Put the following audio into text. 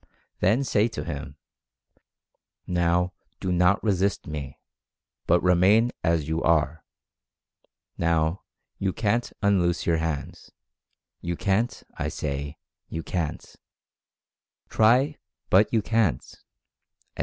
Then say to him, "Now do not resist me, but remain as you are. Now, you CAN'T unloose your hands— you CAN'T, I say, you CAN'T — try, but you CAN'T," etc.